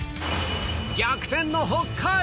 逆転の北海。